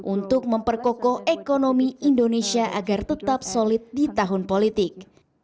untuk memperkokoh ekonomi indonesia agar tetap solid di tahun politik